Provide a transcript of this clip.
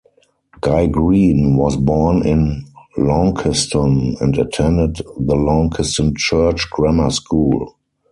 Guy Green was born in Launceston, and attended the Launceston Church Grammar School.